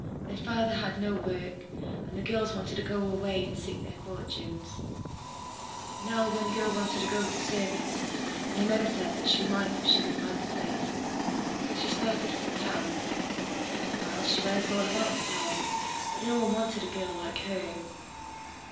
Their father had no work, and the girls wanted to go away and seek their fortunes. Now one girl wanted to go to service, and her mother said she might if she could find a place. So she started for the town. Well, she went all about the town, but no one wanted a girl like her.